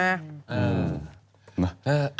เออ